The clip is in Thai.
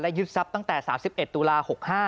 ยึดทรัพย์ตั้งแต่๓๑ตุลา๖๕